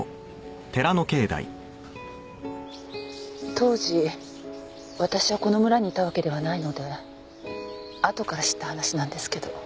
当時私はこの村にいたわけではないのであとから知った話なんですけど。